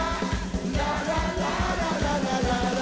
ラララララララララ！